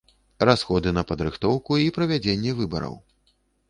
Расходы на падрыхтоўку і правядзенне выбараў.